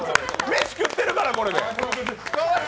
飯食ってるから、これで！